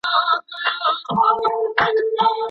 څلورم جواب دادی.